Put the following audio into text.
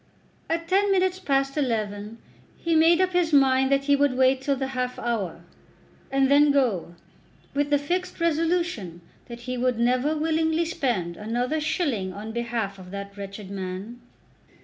At ten minutes past eleven he made up his mind that he would wait till the half hour, and then go, with the fixed resolution that he would never willingly spend another shilling on behalf of that wretched man.